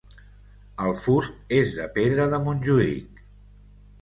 El fust és de pedra de Montjuïc.